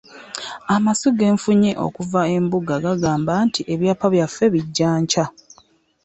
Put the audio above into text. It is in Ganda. Amasu ge nfunye okuva embuga gagamba nti ebyapa byaffe bijja nkya.